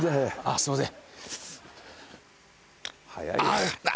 すいません。